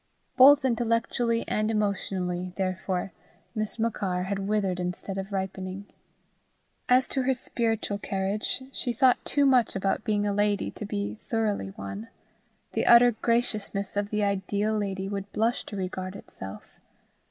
Both intellectually and emotionally, therefore, Miss Machar had withered instead of ripening. As to her spiritual carriage, she thought too much about being a lady to be thoroughly one. The utter graciousness of the ideal lady would blush to regard itself.